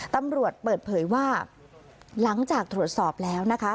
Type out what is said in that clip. ตำรวจเปิดเผยว่าหลังจากตรวจสอบแล้วนะคะ